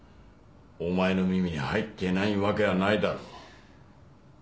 お前の耳に入っていないわけはないだろう。